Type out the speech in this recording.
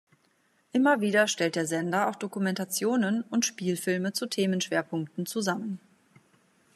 Immer wieder stellt der Sender auch Dokumentationen und Spielfilme zu Themenschwerpunkten zusammen.